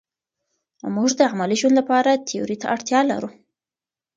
موږ د عملي ژوند لپاره تیوري ته اړتیا لرو.